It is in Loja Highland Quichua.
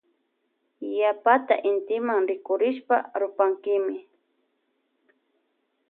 Yapata intima rikurishpa rupankimi.